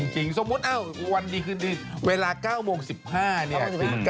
จริงสมมุติวันเกี่ยวนี้เวลา๙โมง๑๕เนี่ย